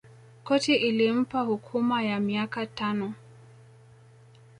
Koti ilimpa hukuma ya miaka tano